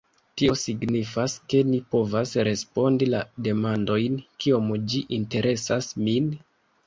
Tio signifas, ke ni povas respondi la demandojn: "Kiom ĝi interesas min?